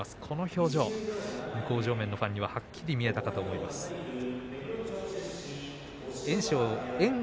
表情が向正面のファンにははっきり見えたかもしれません。